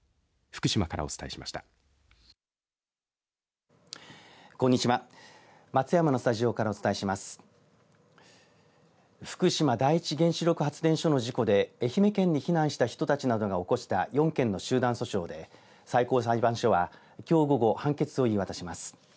福島第一原子力発電所の事故で愛媛県に避難した人たちなどが起こした４件の集団訴訟で最高裁判所は、きょう午後判決を言い渡します。